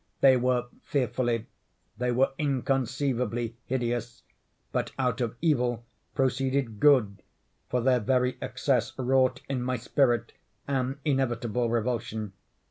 They were fearfully—they were inconceivably hideous; but out of Evil proceeded Good; for their very excess wrought in my spirit an inevitable revulsion.